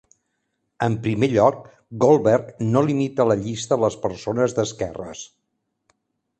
En primer lloc, Goldberg no limita la llista a les persones d'esquerres.